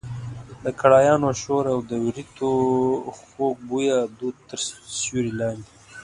د کړایانو شور او د وریتو خوږ بویه دود تر سیوري لاندې.